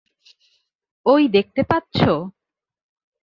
ওই দেখতে পাচ্ছ?